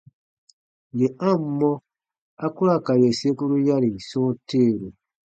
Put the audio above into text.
Yè a ǹ mɔ, a ku ra ka yè sekuru yari sɔ̃ɔ teeru.